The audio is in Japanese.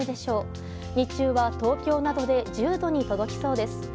日中は東京などで１０度に届きそうです。